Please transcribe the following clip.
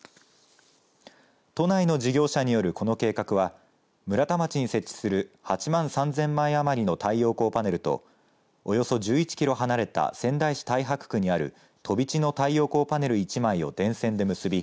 都内の事業者によるこの計画は村田町に設置する８万３０００枚余りの太陽光パネルとおよそ１１キロ離れた仙台市太白区にある飛び地の太陽光パネル１枚を電線で結び